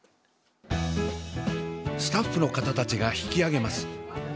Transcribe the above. スタッフの方たちが引き揚げます。